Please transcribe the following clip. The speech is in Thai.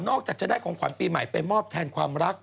จากจะได้ของขวัญปีใหม่ไปมอบแทนความรัก